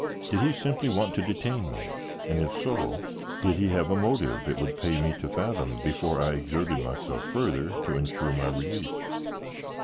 Did he simply want to detain me, and if so, did he have a motive it would pay me to fathom before I exerted myself further to insure my release?